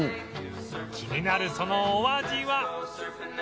気になるそのお味は